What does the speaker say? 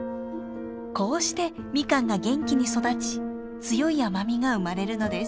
こうしてミカンが元気に育ち強い甘みが生まれるのです。